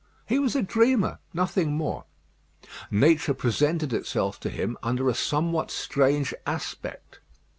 He was a dreamer: nothing more. Nature presented itself to him under a somewhat strange aspect.